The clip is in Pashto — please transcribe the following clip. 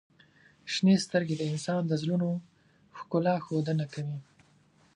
• شنې سترګې د انسان د زړونو ښکلا ښودنه کوي.